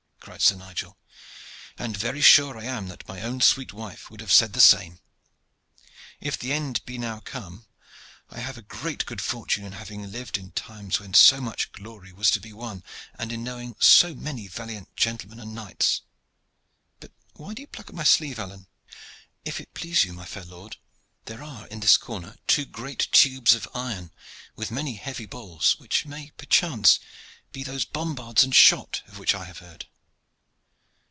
cried Sir Nigel. "And very sure I am that my own sweet wife would have said the same. If the end be now come, I have had great good fortune in having lived in times when so much glory was to be won, and in knowing so many valiant gentlemen and knights. But why do you pluck my sleeve, Alleyne?" "If it please you, my fair lord, there are in this corner two great tubes of iron, with many heavy balls, which may perchance be those bombards and shot of which I have heard."